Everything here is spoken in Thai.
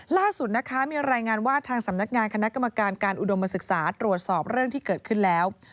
ล่าสุดนะคะมีรายงานว่าทางสำนักงานคณะกรรมการการอุดมศึกษาตรวจสอบเรื่องที่เกิดขึ้นแล้ว